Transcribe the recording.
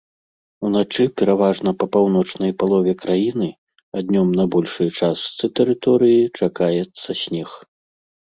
Уначы пераважна па паўночнай палове краіны, а днём на большай частцы тэрыторыі чакаецца снег.